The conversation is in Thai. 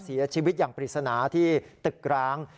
เสียชีวิตอย่างปริศนาที่ตึกร้าง